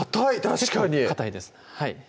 確かにかたいです